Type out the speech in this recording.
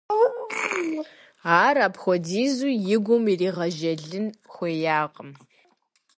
Ар апхуэдизу и гум иригъэжэлӏэн хуеякъым.